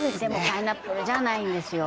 パイナップルじゃないんですよ